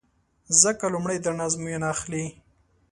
ځکه لومړی در نه ازموینه اخلي